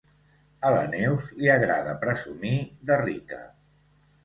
A la Neus li agrada presumir de rica.